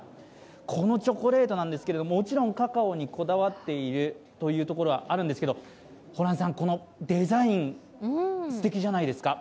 このチョコレートなんですけど、もちろんカカオにこだわっているというのはあるんですけどこのデザイン、すてきじゃないですか？